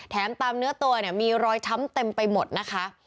ตามเนื้อตัวเนี่ยมีรอยช้ำเต็มไปหมดนะคะ